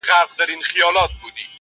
قتلوې سپیني ډېوې مي زه بې وسه درته ګورم,